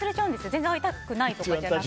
全然会いたくないわけじゃなくて。